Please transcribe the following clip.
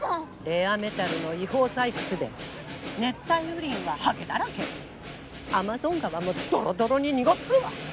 レアメタルの違法採掘で熱帯雨林ははげだらけアマゾン川もドロドロに濁っとるわ。